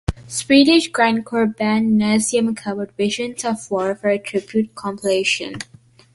Swedish grindcore band Nasum covered "Visions of War" for a tribute compilation.